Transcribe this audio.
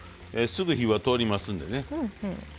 すぐ火が通りますのでね。